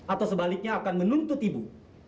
atau sebaliknya akan menuntut ibu